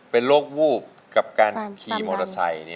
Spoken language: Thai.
เป็นโรควูบกับการขี่มอเตอร์ไซค์